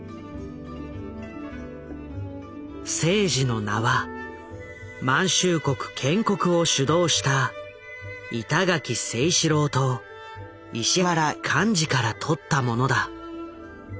征爾の名は満州国建国を主導した板垣征四郎と石原莞爾からとったものだ。